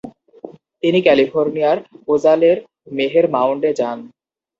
তিনি ক্যালিফোর্নিয়ার ওজালের মেহের মাউন্ডে যান।